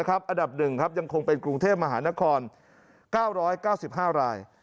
อันดับ๑ยังคงเป็นกรุงเทพมหานคร๙๙๕ราย